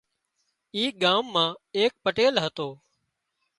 اي ڳام مان ايڪ پٽيل هتو